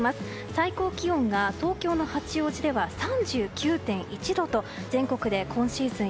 最高気温が東京の八王子では３９．１度と全国で今シーズン